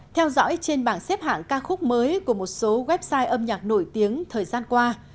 theo dõi trên bảng xếp hạng ca khúc mới của một số website âm nhạc nổi tiếng thời gian qua